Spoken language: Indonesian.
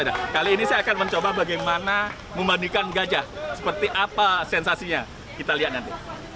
nah kali ini saya akan mencoba bagaimana memandikan gajah seperti apa sensasinya kita lihat nanti